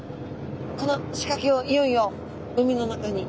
この仕かけをいよいよ海の中に。